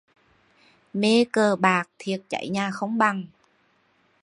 Mê cờ bạc thiệt cháy nhà không bằng